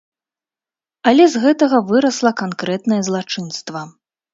Але з гэтага вырасла канкрэтнае злачынства.